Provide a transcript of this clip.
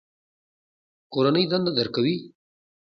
کورنۍ دنده درکوي؟